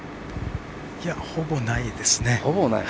ほぼないですね。